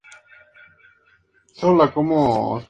Lo que actualmente es el paseo marítimo era entonces un cañaveral.